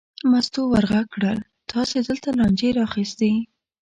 مستو ور غږ کړل: تاسې دلته لانجې را اخیستې.